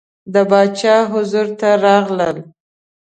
د باچا حضور ته راغلل.